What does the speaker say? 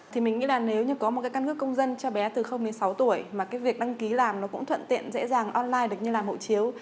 thì mình nghĩ là nếu như có một cái căn cước công dân cho bé từ đến sáu tuổi mà cái việc đăng ký làm nó cũng thuận tiện dễ dàng online được như làm hộ chiếu